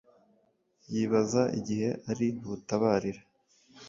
yibaza igihe ari butabarire